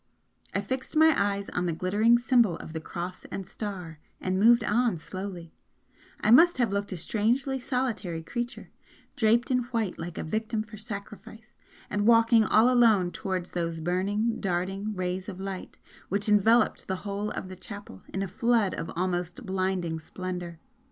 I fixed my eyes on the glittering symbol of the Cross and Star and moved on slowly I must have looked a strangely solitary creature, draped in white like a victim for sacrifice and walking all alone towards those burning, darting rays of light which enveloped the whole of the chapel in a flood of almost blinding splendour.